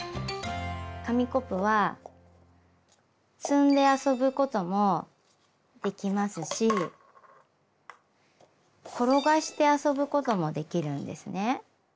紙コップは積んで遊ぶこともできますし転がして遊ぶこともできるんですね。